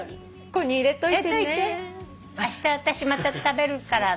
あした私また食べるからとか。